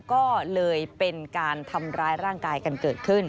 ก็เลยเป็นการทำร้ายร่างกายกันเกิดขึ้น